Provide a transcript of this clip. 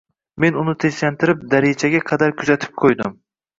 Men uni tinchlantirib, darichaga kadar kuzatib qo`ydim